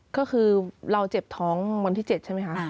ก็คือเราเจ็บท้องวันที่๗ใช่ไหมคะ